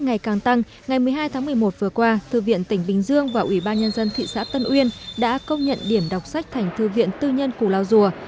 ngày càng tăng ngày một mươi hai tháng một mươi một vừa qua thư viện tỉnh bình dương và ủy ban nhân dân thị xã tân uyên đã công nhận điểm đọc sách thành thư viện tư nhân củ lao dùa